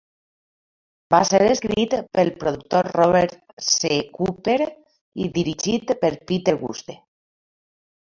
Va ser escrit pel productor Robert C. cooper i dirigit per Peter Woeste.